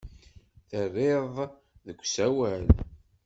Terriḍ deg usawal.